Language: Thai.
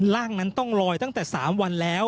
ร่างนั้นต้องลอยตั้งแต่๓วันแล้ว